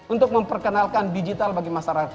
untuk memperkenalkan digital bagi masyarakat